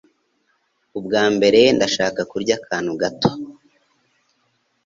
Ubwa mbere, ndashaka kurya akantu gato. (